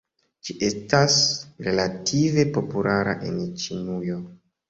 Ĝi estas relative populara en Ĉinujo.